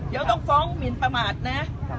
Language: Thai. เดี๋ยวต้องฟ้องหมินประมาทนะ